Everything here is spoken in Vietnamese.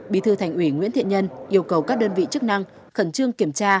bí thư thành ủy nguyễn thiện nhân yêu cầu các đơn vị chức năng khẩn trương kiểm tra